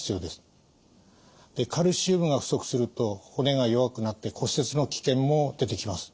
カルシウムが不足すると骨が弱くなって骨折の危険も出てきます。